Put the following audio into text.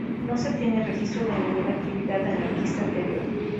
No se tiene registro de ninguna actividad anarquista anterior.